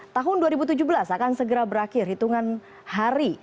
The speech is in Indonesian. tahun dua ribu tujuh belas akan segera berakhir hitungan hari